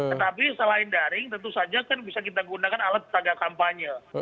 tetapi selain daring tentu saja kan bisa kita gunakan alat taga kampanye